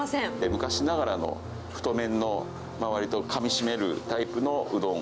昔ながらの太麺のわりとかみしめるタイプのうどん。